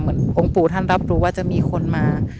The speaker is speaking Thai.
องค์ปู่ท่านรับรู้ว่าจะมีคนมา